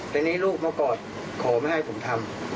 แต่นี่ลูกมากอดขอไม่ให้ผมทำ